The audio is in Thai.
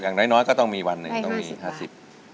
อย่างน้อยก็ต้องมีวันหนึ่งต้องมีห้าสิบได้ห้าสิบบาท